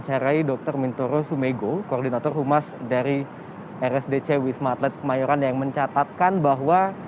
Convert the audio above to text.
saya rai dr mintoro sumego koordinator humas dari rsdc wisma atlet kemayoran yang mencatatkan bahwa